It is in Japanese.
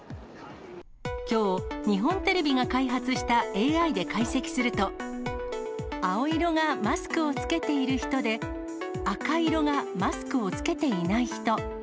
きょう、日本テレビが開発したＡＩで解析すると、青色がマスクを着けている人で、赤色がマスクを着けていない人。